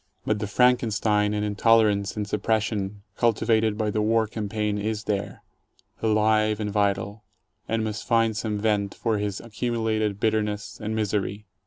But the Franken stein and intolerance and suppression cultivated by the war cam paign is there, alive and vital, and must find some vent for his accumulated bitterness and misery.